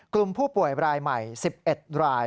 กลุ่มผู้ป่วยรายใหม่๑๑ราย